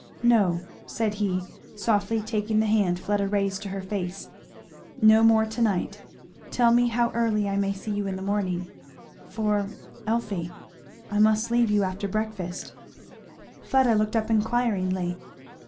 No " said he softly taking the hand Fleda raised to her face, "no more tonight tell me how early I may see you in the morning for, Elfie, I must leave you after breakfast." Fleda looked up inquiringly.